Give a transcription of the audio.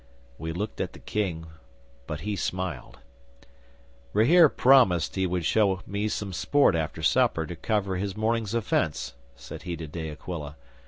'We looked at the King, but he smiled. '"Rahere promised he would show me some sport after supper to cover his morning's offence," said he to De Aquila.